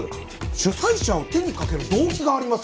主催者を手にかける動機がありません！